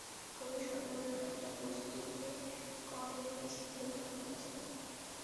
খুবই সন্দেহজনক একটা বস্তুকে কয়েনের মেশিনে ঢোকানো হয়েছিল।